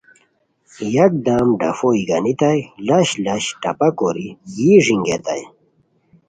یکدم ڈفو یی گانیتائے لش لش ٹپہ کوری یی ݱینگیتائے